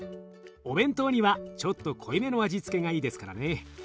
お弁当にはちょっと濃いめの味付けがいいですからね。